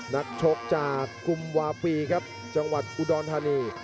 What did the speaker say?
นักชกจากกุมวาปีครับจังหวัดอุดรธานี